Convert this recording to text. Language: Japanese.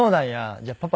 じゃあパパ